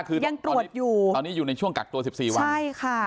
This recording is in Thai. คือยังตรวจอยู่ตอนนี้อยู่ในช่วงกักตัว๑๔วันใช่ค่ะ